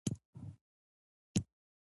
سپي د باران نه وېرېږي.